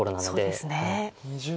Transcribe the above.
そうですね。